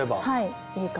はい。